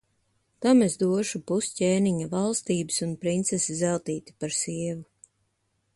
Tam es došu pus ķēniņa valstības un princesi Zeltīti par sievu.